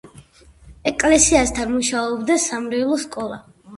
ეკლესიასთან მუშაობდა სამრევლო სკოლა.